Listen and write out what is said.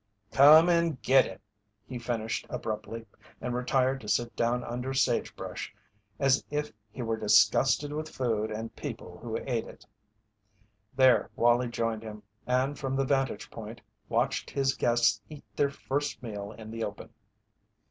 "Come and get it!" he finished, abruptly, and retired to sit down under sagebrush as if he were disgusted with food and people who ate it. There Wallie joined him and from the vantage point watched his guests eat their first meal in the open.